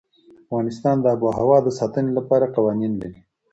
افغانستان د آب وهوا د ساتنې لپاره قوانين لري.